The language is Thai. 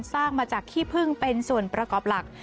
สร้างมาจากขี้พึ่งเป็นส่วนประกอบหลัก